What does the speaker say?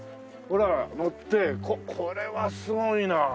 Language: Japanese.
のってこれはすごいな。